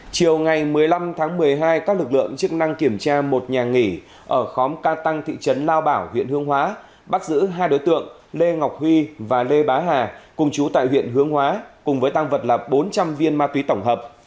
chiều ngày một mươi năm tháng một mươi hai các lực lượng chức năng kiểm tra một nhà nghỉ ở khóm ca tăng thị trấn lao bảo huyện hương hóa bắt giữ hai đối tượng lê ngọc huy và lê bá hà cùng chú tại huyện hướng hóa cùng với tăng vật là bốn trăm linh viên ma túy tổng hợp